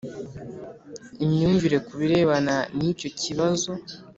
imyumvire ku birebana n'icyo kibazo.